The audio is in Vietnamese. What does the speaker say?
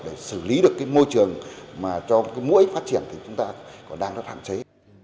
để xử lý được môi trường cho mỗi phát triển chúng ta đang hạn chế